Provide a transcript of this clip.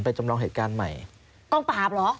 จำลองเหตุการณ์ใหม่กองปราบเหรอ